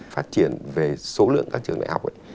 phát triển về số lượng các trường đại học